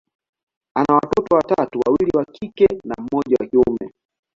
ana watoto watatu, wawili wa kike na mmoja wa kiume.